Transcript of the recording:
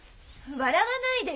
笑わないでよ！